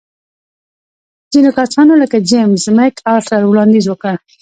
ځینو کسانو لکه جېمز مک ارتر وړاندیز وکړ.